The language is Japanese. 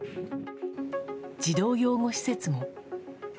児童養護施設も。